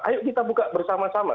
ayo kita buka bersama sama